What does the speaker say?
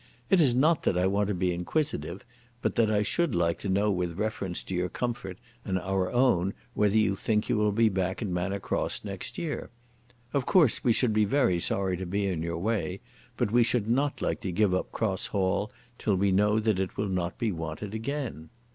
It is not that I want to be inquisitive, but that I should like to know with reference to your comfort and our own whether you think that you will be back at Manor Cross next year. Of course we should be very sorry to be in your way, but we should not like to give up Cross Hall till we know that it will not be wanted again.